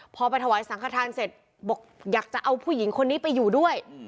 พอไปถวายสังขทานเสร็จบอกอยากจะเอาผู้หญิงคนนี้ไปอยู่ด้วย